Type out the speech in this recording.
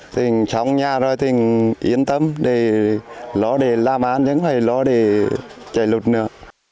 trong nhà rồi thì yên tâm lối để làm ăn lối để chạy lụt nữa